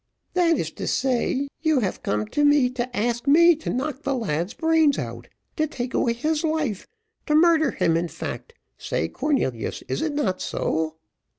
"That is to say you have come to me to ask me to knock the lad's brains out to take away his life to murder him, in fact. Say, Cornelius, is it not so?"